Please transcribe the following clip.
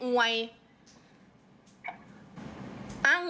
เด็ดจริง